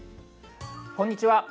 こんにちは。